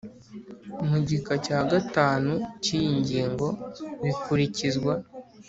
mu gika cya gatanu cy iyi ngingo bikurikizwa